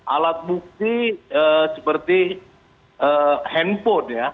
alat bukti seperti handphone ya